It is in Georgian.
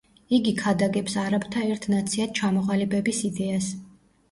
იგი ქადაგებს არაბთა ერთ ნაციად ჩამოყალიბების იდეას.